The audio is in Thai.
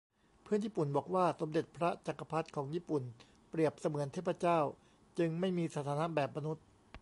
เพื่อนญี่ปุ่นบอกว่าสมเด็จพระจักรพรรดิของญี่ปุ่นเปรียบเสมือนเทพเจ้า จึงไม่มีสถานะแบบมนุษย์